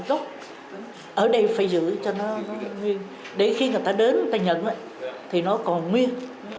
có chục ở đây phải giữ cho nó nguyên đấy khi người ta đến người ta nhận vậy thì nó còn nguyên